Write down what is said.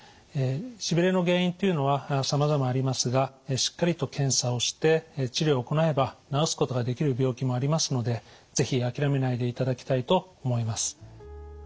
しびれの原因というのはさまざまありますがしっかりと検査をして治療を行えば治すことができる病気もありますので是非諦めないでいただきたいと思います。